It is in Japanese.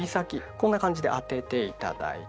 こんな感じで当てて頂いて。